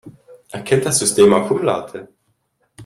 Erkennt das System auch Umlaute?